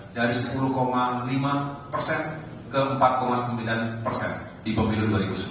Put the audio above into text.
dari sepuluh lima ke empat sembilan di pemilu dua ribu sembilan